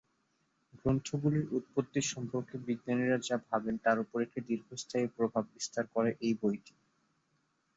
গ্রহগুলির উৎপত্তি সম্পর্কে বিজ্ঞানীরা যা ভাবেন তার উপর এক দীর্ঘস্থায়ী প্রভাব বিস্তার করে এই বইটি।